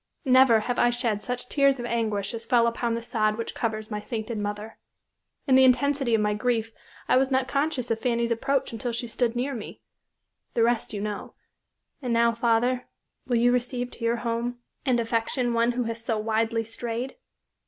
Never have I shed such tears of anguish as fell upon the sod which covers my sainted mother. In the intensity of my grief I was not conscious of Fanny's approach until she stood near me. The rest you know; and now, father, will you receive to your home and affection one who has so widely strayed?"